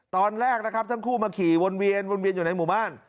ตอนแรกนะครับทั้งคู่มาขี่วนเวียนวนเวียนอยู่ในหมู่บ้าน